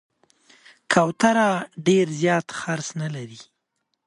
کوتره ډېر زیات خرڅ نه لري.